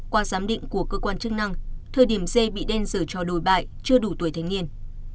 qua giám định của cơ quan chức năng thời điểm dê bị đen dở cho đổi bại chưa đủ tuổi thanh niên